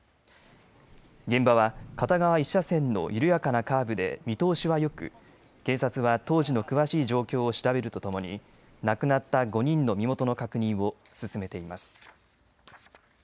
現場は片側１車線の緩やかなカーブで見通しはよく警察は当時の詳しい状況を調べるとともに亡くなった５人の身元の確認を進めています。